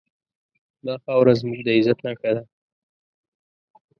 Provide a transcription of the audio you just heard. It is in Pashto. دا خاوره زموږ د عزت نښه ده.